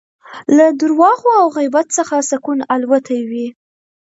له درواغو او غیبت څخه سکون الوتی وي